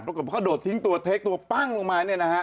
แล้วก็กระโดดทิ้งตัวเท๊กตัวปั้งลงมาเนี่ยนะฮะ